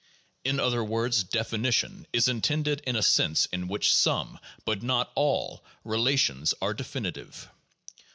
In other words, "definition" is intended in a sense in which some, but not all, relations are definitive.